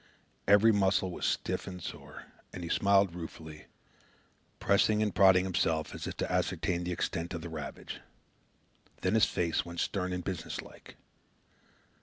Every muscle was stiff and sore, and he smiled ruefully, pressing and prodding himself as if to ascertain the extent of the ravage. Then his face went stern and businesslike.